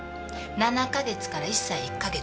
７か月から１歳１か月。